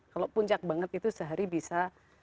kalau puncak banget itu sehari bisa tiga puluh